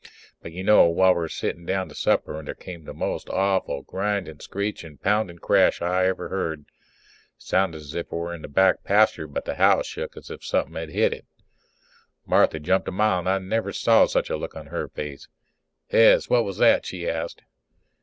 But you know, while we were sitting down to supper there came the most awful grinding, screeching, pounding crash I ever heard. Sounded if it were in the back pasture but the house shook as if somethin' had hit it. Marthy jumped a mile and I never saw such a look on her face. "Hez, what was that?" she asked.